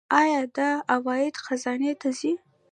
آیا دا عواید خزانې ته ځي؟